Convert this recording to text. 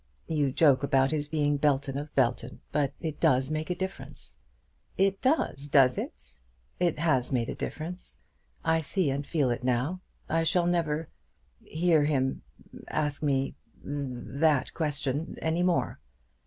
You joke about his being Belton of Belton. But it does make a difference." "It does; does it?" "It has made a difference. I see and feel it now. I shall never hear him ask me that question any more."